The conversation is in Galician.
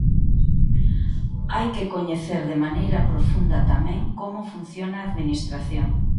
Hai que coñecer de maneira profunda tamén como funciona a Administración.